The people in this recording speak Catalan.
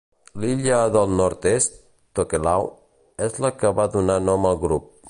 L'illa del nord-est, Tokelau, és la que va donar nom al grup.